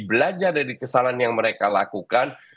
belajar dari kesalahan yang mereka lakukan